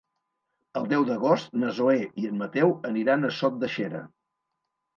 El deu d'agost na Zoè i en Mateu aniran a Sot de Xera.